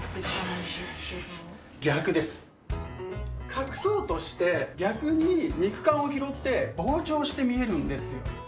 隠そうとして逆に肉感を拾って膨張して見えるんですよ。